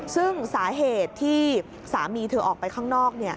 ซึ่งสาเหตุที่สามีเธอออกไปข้างนอก